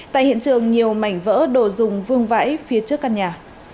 tại hiện trường nhiều mảnh vỡ đồ dùng vương vãi phía trước căn nhà